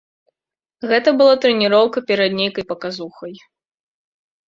Гэта была трэніроўка перад нейкай паказухай.